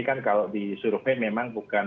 kan kalau disurvey memang bukan